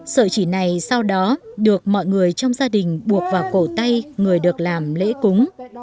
sợi chỉ này sau đó được mọi người trong gia đình buộc vào cổ tay người được làm lễ cúng